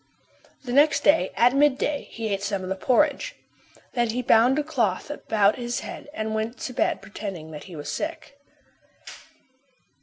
The next day, at midday, he ate some more of the porridge. Then he bound a cloth about his head and went to bed pretending that he was sick.